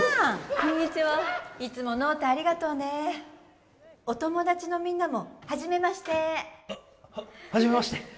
こんにちはいつもノートありがとうねお友達のみんなもはじめましてははじめまして